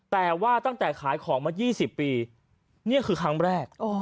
แต่ว่าตั้งแต่ขายของมา๒๐ปีนี่คือครั้งแรก